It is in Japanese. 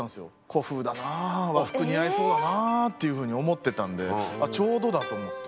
古風だな和服似合いそうだなっていう風に思ってたのでちょうどだと思って。